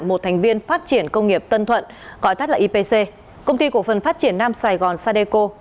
một thành viên phát triển công nghiệp tân thuận gọi tắt là ipc công ty cổ phần phát triển nam sài gòn sadeco